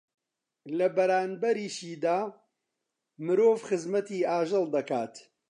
لە بەرانبەریشیدا مرۆڤ خزمەتی ئاژەڵ دەکات